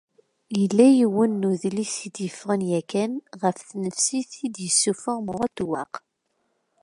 Illa yiwen n udlis i d-iffɣen yakan ɣef tnefsit i d-issufeɣ Murad Tuwwak.